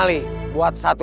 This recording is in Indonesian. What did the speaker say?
aku mau ke sana